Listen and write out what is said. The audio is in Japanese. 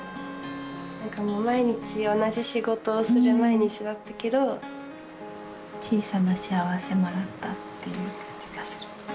もう毎日同じ仕事をする毎日だったけど小さな幸せもらったっていう感じがする。